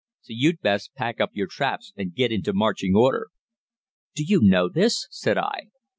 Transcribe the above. So you'd best pack up your traps and get into marching order.' "'Do you know this?' said I.